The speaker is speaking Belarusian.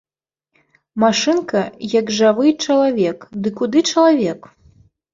Машынка, як жывы чалавек, ды куды чалавек!